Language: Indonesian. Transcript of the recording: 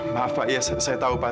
maaf pak ya saya tahu pak